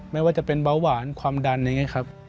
ไม่ว่าจะเป็นเบาหวานความดันอย่างนี้ครับ